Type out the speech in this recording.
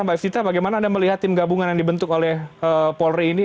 mbak efvita bagaimana anda melihat tim gabungan yang dibentuk oleh polri ini